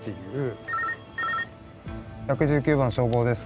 ☎１１９番消防です。